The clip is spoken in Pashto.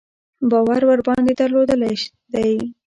باور ورباندې درلودلی دی.